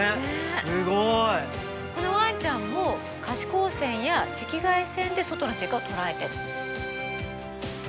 このワンちゃんも可視光線や赤外線で外の世界を捉えてるの。